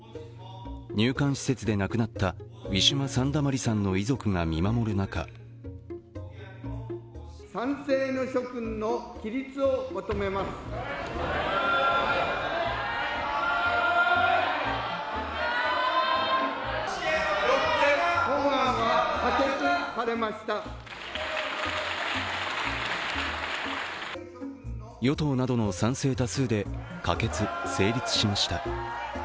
入管施設で亡くなったウィシュマ・サンダマリさんの遺族が見守る中与党などの賛成多数で可決・成立しました。